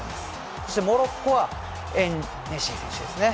そしてモロッコはエンネシリ選手ですね。